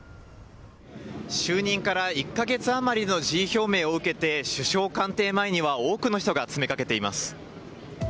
就任から１か月余りの辞意表明を受けて、首相官邸前には多くの人が詰めかけています。